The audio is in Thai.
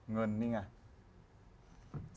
เงินนี่ไง